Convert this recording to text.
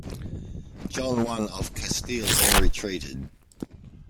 John I of Castile then retreated.